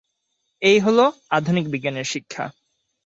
এই হল আধুনিক বিজ্ঞানের শিক্ষা।